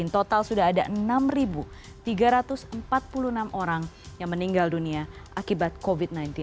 total sudah ada enam tiga ratus empat puluh enam orang yang meninggal dunia akibat covid sembilan belas